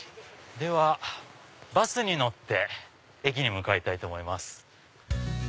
ではバスに乗って駅に向かいたいと思います。